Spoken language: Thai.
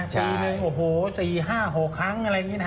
ปีหนึ่งโอ้โหสี่ห้าหกครั้งอะไรแบบนี้นะ